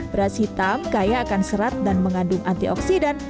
beras hitam kaya akan serat dan mengandung antioksidan